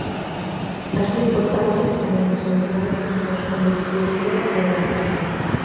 A súa importancia, alén dos altibaixos que loxicamente puído ter, é grande.